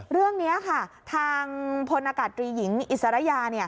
เรื่องนี้ค่ะทางพลอากาศตรีหญิงอิสระยา